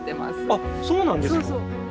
あっそうなんですか！